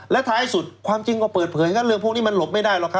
และท้ายสุดความจริงก็เปิดเผยงั้นเรื่องพวกนี้มันหลบไม่ได้หรอกครับ